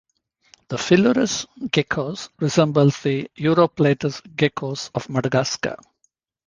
The "Phyllurus" geckos resemble the "Uroplatus" geckos of Madagascar.